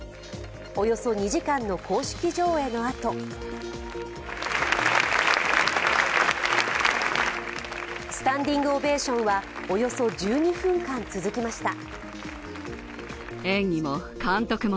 およそ２時間の公式上映のあとスタンディングオベーションは、およそ１２分間続きました。